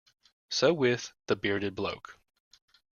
So with the bearded bloke.